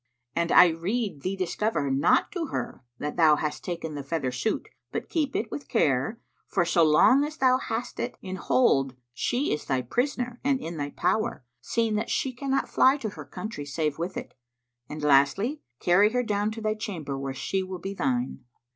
And I rede thee discover not to her that thou hast taken the feather suit, but keep it with care; for, so long as thou hast it in hold, she is thy prisoner and in thy power, seeing that she cannot fly to her country save with it. And lastly carry her down to thy chamber where she will be thine."